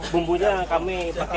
bumbunya kami pakai beda proses